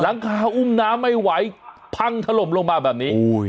หลังคาอุ้มน้ำไม่ไหวพังถล่มลงมาแบบนี้